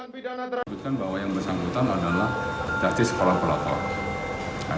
bahwa yang bersangkutan adalah jastis pelakor pelakor